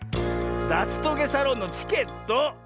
だつトゲサロンのチケット！